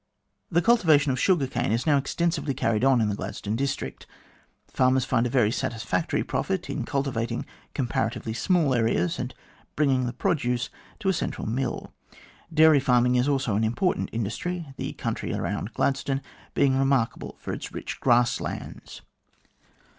The cultivation of the sugar cane is now extensively carried on in the Gladstone district. Farmers find a very satisfactory profit in cultivating comparatively small areas, and bringing the produce to a central mill. Dairy farming is also an important industry, the country around Gladstone being remarkable for its rich grass lands.